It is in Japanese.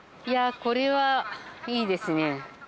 いやこれはいいですね。